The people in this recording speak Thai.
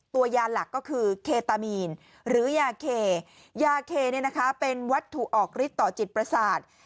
ตัวยาหลักก็คือเคตามีนหรือยาเคยาเคเป็นวัตถุออกฤทธิต่อจิตประสาท